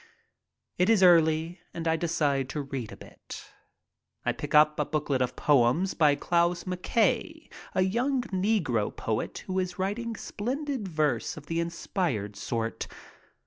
It is early, and I decide to read a bit. I pick up a booklet 32 MY TRIP ABROAD of poems by Clause McKay, a young negro poet who is writing splendid verse of the inspired sort.